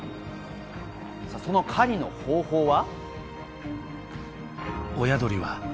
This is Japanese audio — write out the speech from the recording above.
その狩りの方法は。